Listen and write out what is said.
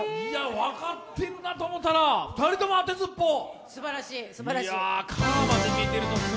分かってるなと思ったら、２人とも当てずっぽう？